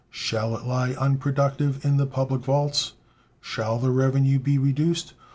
Shall it lie unproductive in the public vaults? Shall the revenue be reduced?